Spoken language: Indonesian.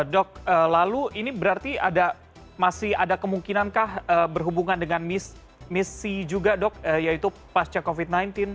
dok lalu ini berarti masih ada kemungkinankah berhubungan dengan misi juga dok yaitu pasca covid sembilan belas